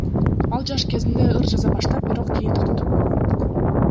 Ал жаш кезинде ыр жаза баштап, бирок кийин токтотуп койгон.